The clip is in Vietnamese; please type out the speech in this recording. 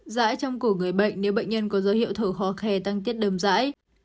rãi trong cổ người bệnh nếu bệnh nhân có dấu hiệu thở khó khè tăng tiết đồm rãi